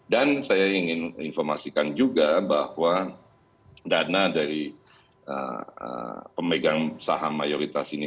dan saya ingin menginformasikan juga bahwa dana dari pemegang saham mayoritas ini